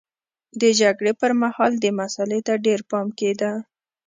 د جګړې پرمهال دې مسئلې ته ډېر پام کېده